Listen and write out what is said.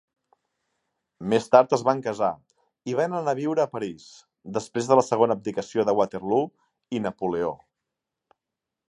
Més tard es van casar i van anar a viure a París després de la segona abdicació de Waterloo i Napoleó.